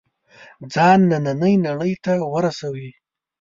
ځان نننۍ نړۍ ته ورسوي.